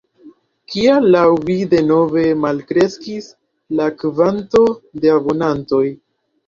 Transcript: Kial laŭ vi denove malkreskis la kvanto de abonantoj?